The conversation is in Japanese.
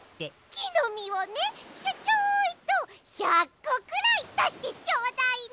きのみをねちょちょいと１００こくらいだしてちょうだいな。